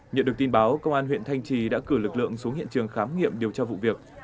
nhận được tin báo công an huyện thanh trì đã cử lực lượng xuống hiện trường khám nghiệm điều tra vụ việc